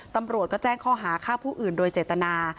ตำรวจก็แจ้งข้อหาฆ่าผู้อื่นโดยเจตนา